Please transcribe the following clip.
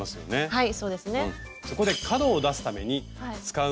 はい。